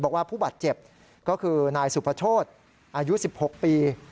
บอกว่าผู้บาดเจ็บก็คือนายสุภโชษอายุ๑๖ปี